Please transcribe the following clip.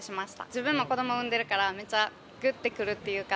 自分も子供産んでるからめっちゃぐって来るというか。